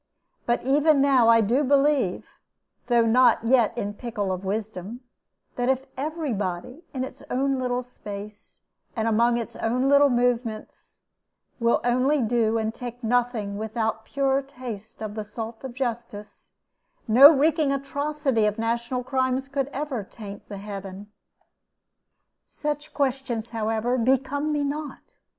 But even now I do believe (though not yet in pickle of wisdom) that if every body, in its own little space and among its own little movements, will only do and take nothing without pure taste of the salt of justice, no reeking atrocity of national crimes could ever taint the heaven. Such questions, however, become me not.